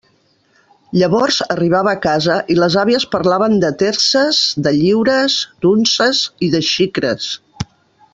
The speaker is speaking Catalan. Llavors arribava a casa i les àvies parlaven de terces, de lliures, d'unces i de xicres.